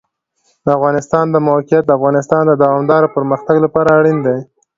د افغانستان د موقعیت د افغانستان د دوامداره پرمختګ لپاره اړین دي.